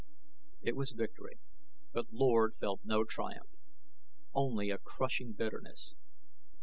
It was victory, but Lord felt no triumph only a crushing bitterness.